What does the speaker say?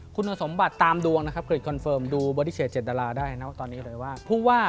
คุณสมบัติตามดวงนะคริสคอนเฟิร์มดูบริเศษ๗ดาราได้นะว่าตอนนี้เลยว่า